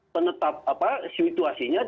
penetap apa situasinya